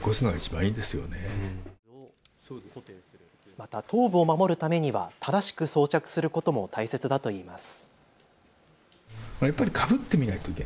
また頭部を守るためには正しく装着することも大切だといいます。